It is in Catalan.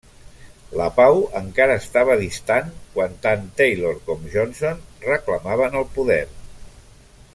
La pau encara estava distant quan tant Taylor com Johnson reclamaven el poder.